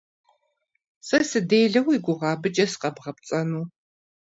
- Сэ сыделэ уи гугъэ, абыкӀэ сыкъэбгъэпцӀэну?